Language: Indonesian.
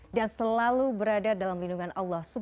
dan selalu berada dalam lindungan allah swt